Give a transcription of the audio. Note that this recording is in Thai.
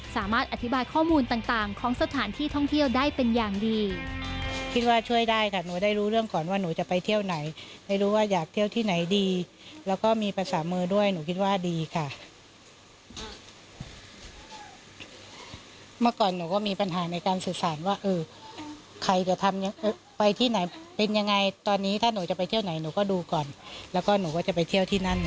สามารถอธิบายข้อมูลต่างของสถานที่ท่องเที่ยวได้เป็นอย่างดี